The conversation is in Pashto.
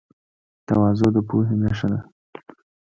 تواضع د پوهې نښه ده.